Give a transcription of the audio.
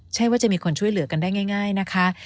ใช่ว่าจะมีคนช่วยเหลือกันได้ง่ายนะคะ